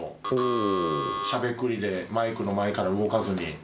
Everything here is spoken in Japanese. しゃべくりでマイクの前から動かずに。